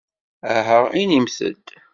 Aha inimt-d!